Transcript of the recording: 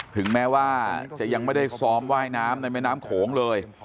ถึงแม้ว่าจะยังไม่ได้ซ้อมว่ายน้ำในแม่น้ำโขงเลย